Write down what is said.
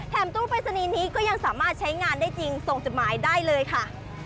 ตู้ปริศนีย์นี้ก็ยังสามารถใช้งานได้จริงส่งจดหมายได้เลยค่ะ